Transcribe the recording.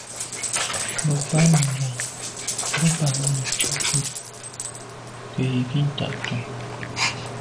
Bə̀k bɑ̌ Nùngà bə̀ bɑ́mə́ yə̂ cû vút gə́ yí gí tchwatong.